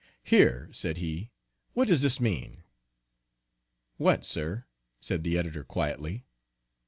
"Here," said he, "what does this mean." "What, sir?" said the editor quietly.